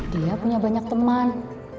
dia punya banyak teman